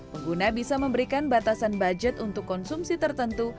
pengguna bisa memberikan batasan budget untuk konsumsi tertentu